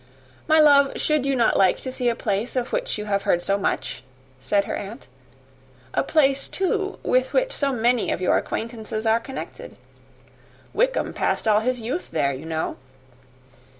"My love, should not you like to see a place of which you have heard so much?" said her aunt. "A place, too, with which so many of your acquaintance are connected. Wickham passed all his youth there, you know."